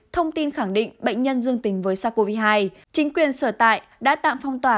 thông tin khẳng định bệnh nhân dương tình với sars cov hai chính quyền sửa tạng đã tạm phong tỏa